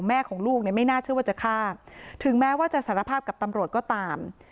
แม่ของลูกเนี่ยไม่น่าเชื่อว่าจะฆ่าถึงแม้ว่าจะสารภาพกับตำรวจก็ตาม